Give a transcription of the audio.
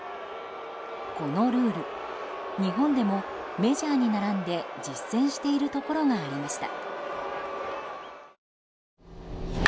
このルール日本でもメジャーに並んで実践しているところがありました。